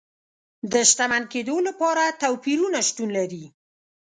د شتمن کېدو لپاره توپیرونه شتون لري.